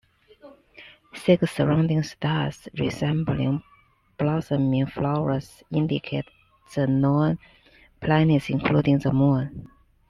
Six surrounding stars, resembling blossoming flowers, indicate the known planets including the Moon.